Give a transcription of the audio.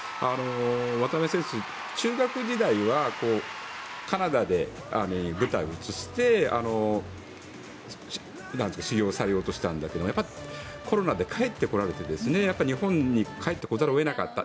渡辺選手中学時代はカナダに舞台を移して出場されようとしていたんだけどコロナで帰ってこられて日本に帰ってこざるを得なかった。